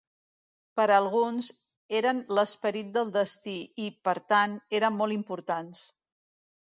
Per a alguns, eren l'esperit del destí i, per tant, eren molt importants.